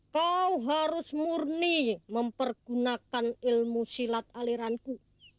kau harus murni mempergunakan ilmu silat aliranku